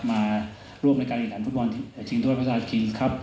มาร่วมในการอีกฐานฟุตบอลจริงด้วยพระศาสตร์คริงส์ครับ